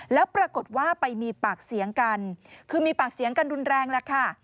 แล้วปรากฏว่าไปมีปากเสียงกันคือมีปากเสียงกันรุนแรงแล้วค่ะ